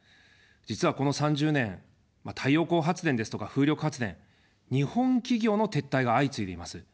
実はこの３０年、太陽光発電ですとか、風力発電、日本企業の撤退が相次いでいます。